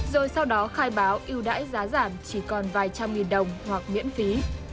rồi sau đó khai báo yêu đãi giá giảm chỉ còn vài trăm nghìn đồng hoặc miễn phí